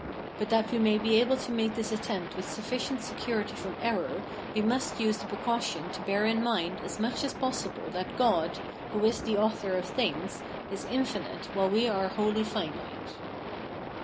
But that we may be able to make this attempt with sufficient security from error, we must use the precaution to bear in mind as much as possible that God, who is the author of things, is infinite, while we are wholly finite.